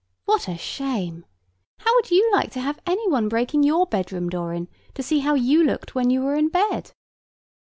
What a shame! How should you like to have any one breaking your bedroom door in, to see how you looked when you where in bed?